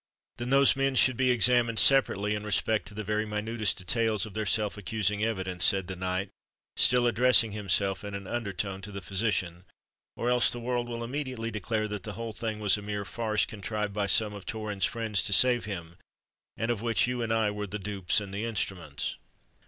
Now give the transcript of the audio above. "Then those men should be examined separately in respect to the very minutest details of their self accusing evidence," said the knight, still addressing himself in an under tone to the physician; "or else the world will immediately declare that the whole thing was a mere farce, contrived by some of Torrens' friends to save him, and of which you and I were the dupes and the instruments."